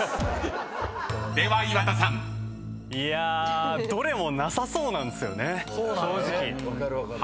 ［では岩田さん］どれもなさそうなんですよね正直。